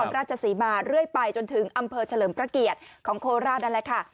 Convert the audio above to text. ราชศรีมาเรื่อยไปจนถึงอำเภอเฉลิมพระเกียรติของโคราชนั่นแหละค่ะ